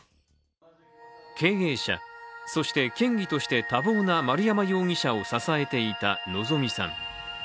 経営者、そして県議として多忙な丸山容疑者を支えていた希美さん。